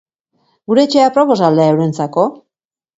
Gure etxea aproposa al da eurentzako?